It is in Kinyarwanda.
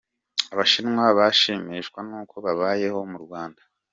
Abashinwa bashimishwa n’uko babayeho mu Rwanda